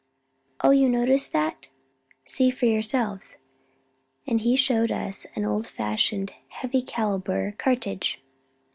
"Oh, you noticed that? See for yourselves," and he showed us an old fashioned heavy calibre cartridge.